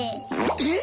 えっ！